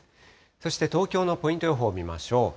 そして東京のポイント予報見ましょう。